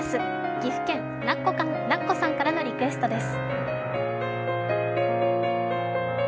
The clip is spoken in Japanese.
岐阜県・なつこさんからのリクエストです。